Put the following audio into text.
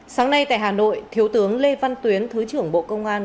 sáng nay tại hà nội thiếu tướng lê văn tuyến thứ trưởng bộ công an